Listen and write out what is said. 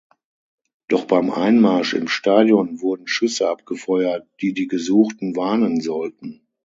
Doch beim Einmarsch im Stadion wurden Schüsse abgefeuert, die die Gesuchten warnen sollten.